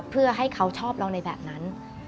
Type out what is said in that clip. เพื่อให้เขาชอบเราในแบบนั้น